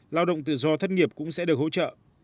lao động tự do thất nghiệp cũng sẽ được hỗ trợ